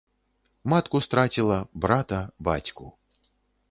Матку страціла, брата, бацьку.